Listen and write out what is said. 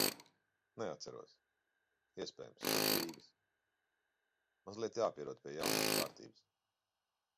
Neatceros - iespējams, kopš Rīgas. Mazliet jāpierod pie jaunās kārtības.